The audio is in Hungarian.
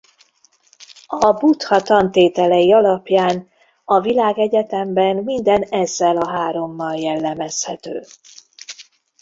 A Buddha tantételei alapján a világegyetemben minden ezzel a hárommal jellemezhető.